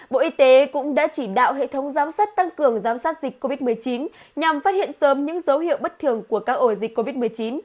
bộ y tế cũng đã chỉ đạo hệ thống giám sát tăng cường giám sát dịch covid một mươi chín nhằm phát hiện sớm những dấu hiệu bất thường của các ổ dịch covid một mươi chín